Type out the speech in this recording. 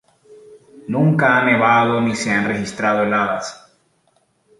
Nunca ha nevado ni se han registrado heladas.